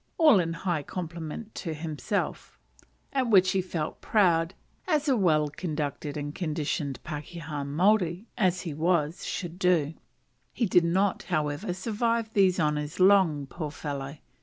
all in high compliment to himself: at which he felt proud, as a well conducted and conditioned pakeha Maori (as he was) should do. He did not, however, survive these honours long, poor fellow.